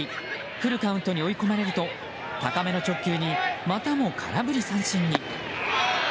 フルカウントに追い込まれると高めの直球にまたも空振り三振に。